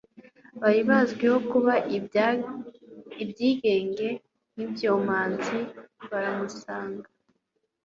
bari bazwiho kuba ibyigenge n'ibyomanzi, baramusanga